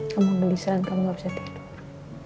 kamu beli serangka kamu gak bisa tidur